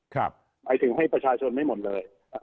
หมายถึงให้ประชาชนไม่หมดเลย